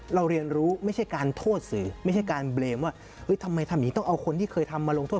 เรียนรู้ไม่ใช่การโทษสื่อไม่ใช่การเบรมว่าทำไมทำอย่างนี้ต้องเอาคนที่เคยทำมาลงโทษ